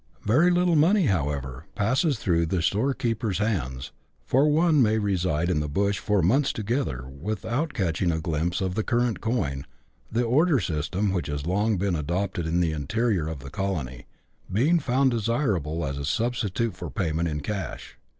Very little money, however, passes through the storekeeper's hands, for one may reside in the bush for months together without catching a glimpse of the current coin, the "order" system, which has long been adopted in the interior of the colony, being found desirable as a substitute for payment in cash.